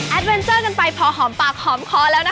เวนเจอร์กันไปพอหอมปากหอมคอแล้วนะ